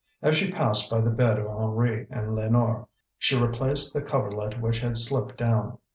As she passed by the bed of Henri and Lénore, she replaced the coverlet which had slipped down.